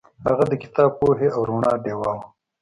هغه کتاب د پوهې او رڼا ډیوه وه.